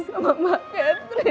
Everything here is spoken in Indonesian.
sama mbak ketrin